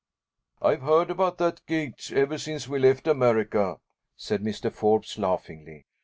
"I have heard about that gate ever since we left America," said Mr. Forbes, laughingly.